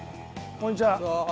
こんにちは。